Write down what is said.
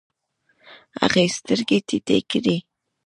هغې سترګې ټيټې کړې.